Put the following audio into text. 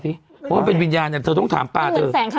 เพราะว่าเป็นวิญญาณเนี่ยเธอต้องถามปลาเธอ